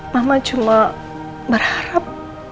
mama cuma berharap